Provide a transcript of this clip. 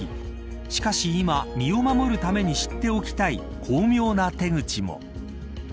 しかし今身を守るために知っておきたい巧妙な手口も。